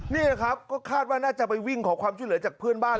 นี่แหละครับก็คาดว่าน่าจะไปวิ่งขอความช่วยเหลือจากเพื่อนบ้าน